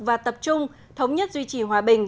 và tập trung thống nhất duy trì hòa bình